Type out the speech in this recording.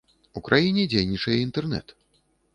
У краіне дзейнічае інтэрнэт.